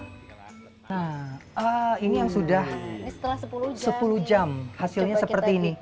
nah ini yang sudah sepuluh jam hasilnya seperti ini